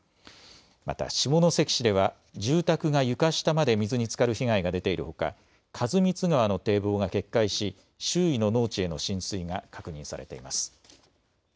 また下関市では住宅が床下まで水につかる被害が出ているほか員光川の堤防が決壊し周囲の農地への浸水が確認されています。